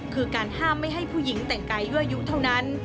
คือการห้ามไม่ให้ผู้หญิงแต่งกายด้วยอายุเท่านั้น